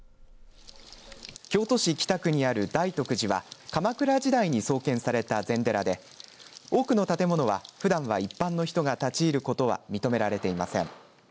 京都市北区にある大徳寺は鎌倉時代に創建された禅寺で多くの建物はふだんは一般の人が立ち入ることは認められていません。